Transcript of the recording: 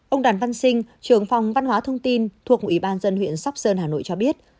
ông đoàn văn sinh trưởng phòng văn hóa thông tin thuộc ủy ban dân huyện sóc sơn hà nội cho biết